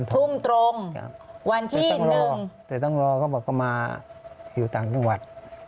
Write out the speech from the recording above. ทุ่มตรงวันที่ต้องรอแต่ต้องรอเขาบอกเขามาอยู่ต่างจังหวัด